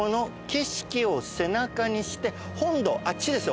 本堂あっちですよ